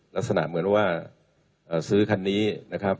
ลักษณะเหมือนว่าซื้อคันนี้นะครับ